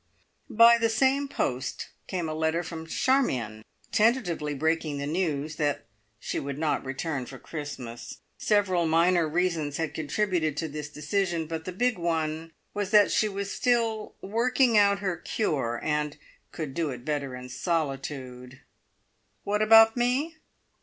By the same post came a letter from Charmion, tentatively breaking the news that she would not return for Christmas. Several minor reasons had contributed to this decision, but the big one was that she was still "working out her cure" and could do it better in solitude. What about me?